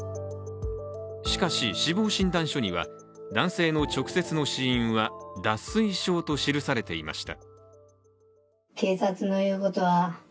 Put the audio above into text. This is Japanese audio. しかし、死亡診断書には男性の直接の死因は脱水症と記されていました。